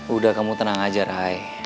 udah kamu tenang aja rai